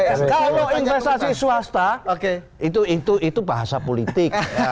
kalau investasi swasta itu bahasa politik